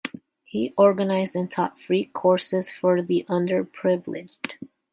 He organized and taught free courses for the underprivileged.